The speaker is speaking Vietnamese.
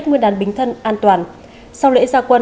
cho đến tặng quà